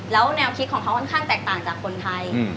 แล้วแนวคิดของเขาค่อนข้างแตกต่างจากคนไทย